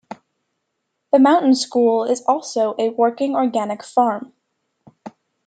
The Mountain School is also a working organic farm.